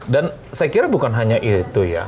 dan saya kira bukan hanya itu ya